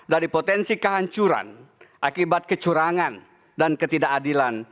dari potensi kehancuran akibat kecurangan dan ketidakadilan